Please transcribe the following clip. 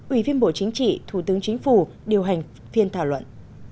ủy viên bộ chính trị thủ tướng chính phủ điều hành phiên thảo luận